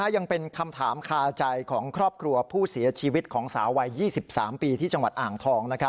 ยังเป็นคำถามคาใจของครอบครัวผู้เสียชีวิตของสาววัย๒๓ปีที่จังหวัดอ่างทอง